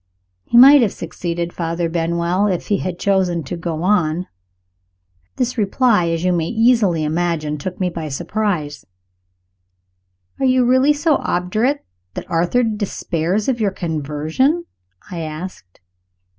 "He might have succeeded, Father Benwell, if he had chosen to go on." This reply, as you may easily imagine, took me by surprise. "Are you really so obdurate that Arthur despairs of your conversion?" I asked.